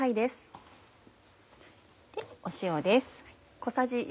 塩です。